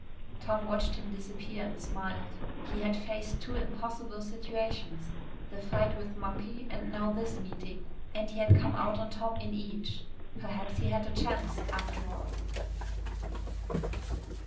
Tom watched him disappear and smiled. He had faced two impossible situations, the fight with Monkey and now this meeting, and he had come out on top in each. Perhaps he had a chance, after all.